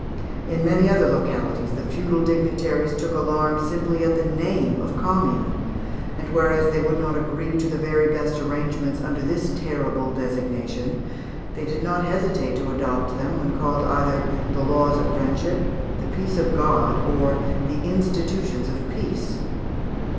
In many other localities the feudal dignitaries took alarm simply at the name of Commune, and whereas they would not agree to the very best arrangements under this terrible designation, they did not hesitate to adopt them when called either the "laws of friendship," the "peace of God," or the "institutions of peace."